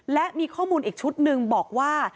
และมีข้อมูลอีกชุดหนึ่งบอกว่า